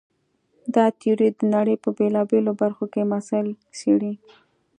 دا تیوري د نړۍ په بېلابېلو برخو کې مسایل څېړي.